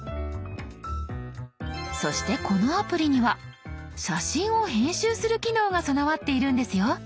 そしてこのアプリには写真を編集する機能が備わっているんですよ。